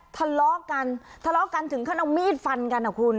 ทะเลาะกันถึงขั้นเอามีดฟันกันนะคุณ